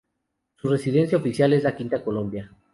Su residencia oficial es la Quinta Colombia.